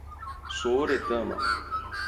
Sooretama